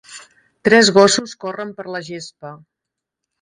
tres gossos corren per la gespa.